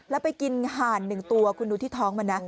แล้วไปกินห่าน๑ตัวคุณดูที่ท้องมันนะ